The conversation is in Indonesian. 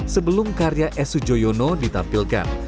sebelum karya e sujoyono ditampilkan